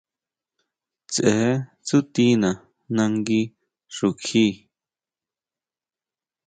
Tseʼe tsútina nangui xukjí.